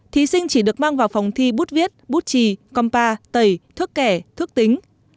thí sinh chỉ được mang vào phòng thi bút viết bút trì compa tẩy thuốc kẻ thuốc tính